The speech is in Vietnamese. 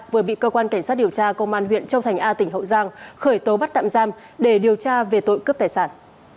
vừa bị cơ quan cảnh sát điều tra công an huyện châu thành a tỉnh hậu giang khởi tố bắt tạm giam để điều tra về tội cướp tài sản